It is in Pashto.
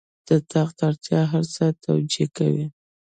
د تخت اړتیا هر څه توجیه کوي.